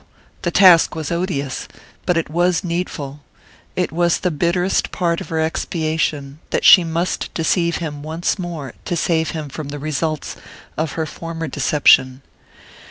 the task was odious, but it was needful: it was the bitterest part of her expiation that she must deceive him once more to save him from the results of her former deception.